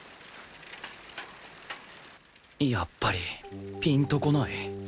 やっぱりピンとこない